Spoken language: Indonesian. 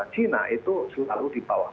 china itu selalu di bawah